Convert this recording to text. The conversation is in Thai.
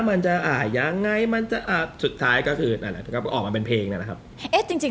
มันจะเย็นยังไงสุดท้ายออกเป็นเพลง